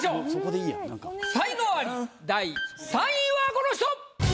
才能アリ第３位はこの人！